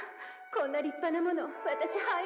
こんな立派なもの私入らない。